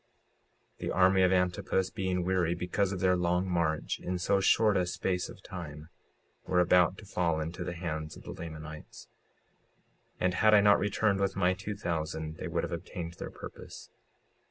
56:50 The army of Antipus being weary, because of their long march in so short a space of time, were about to fall into the hands of the Lamanites; and had I not returned with my two thousand they would have obtained their purpose.